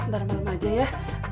ntar malem aja ya